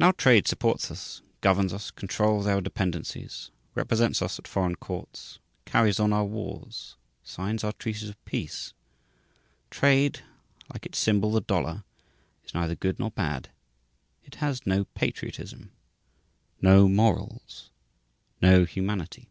Now trade supports us, governs us, controls our dependencies, represents us at foreign courts, carries on our wars, signs our treaties of peace. Trade, like its symbol the dollar, is neither good nor bad; it has no patriotism, no morals, no humanity.